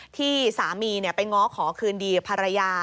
ที่สามีไปง้อขอคืนดีภรรยา